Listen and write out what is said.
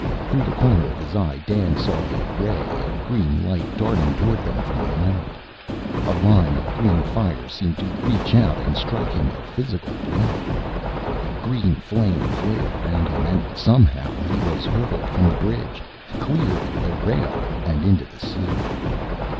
Through the corner of his eye, Dan saw a ray of green light darting toward them from the island. A line of green fire seemed to reach out and strike him a physical blow. Green flame flared around him; and somehow he was hurled from the bridge, clear of the rail and into the sea.